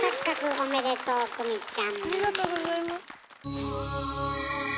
ありがとうございます。